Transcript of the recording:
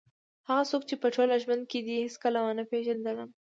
هغه څوک چې په ټول ژوند کې دې هېڅکله ونه پېژندلم.